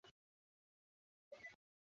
প্রতিদিন প্রতিটা মুহূর্তে।